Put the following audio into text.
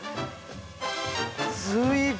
すごい！